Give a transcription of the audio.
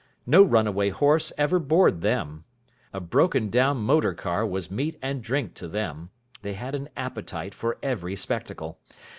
No runaway horse ever bored them. A broken down motor car was meat and drink to them. They had an appetite for every spectacle.